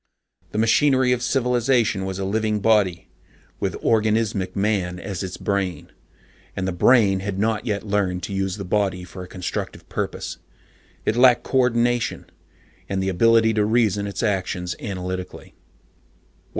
The machinery of civilization was a living body, with organismic Man as its brain. And the brain had not yet learned to use the body for a constructive purpose. It lacked coordination, and the ability to reason its actions analytically.